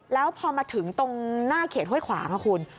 แล้วพอมาถึงตรงหน้าเขตห้วยขวางคุณ